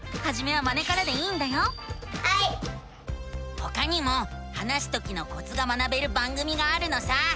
ほかにも話すときのコツが学べる番組があるのさ！